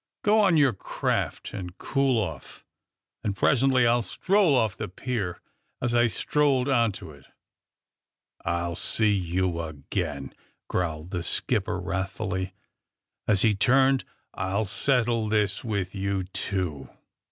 Go on your craft and cool off, and pres ently I'll stroll off the pier as I strolled on to it." *'I'll see you again!" growled the skipper wrathfuUy, as he turned. I'll settle this with you, too."